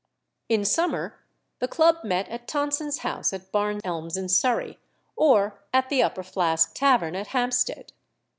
In summer the Club met at Tonson's house at Barn Elms in Surrey, or at the Upper Flask Tavern at Hampstead.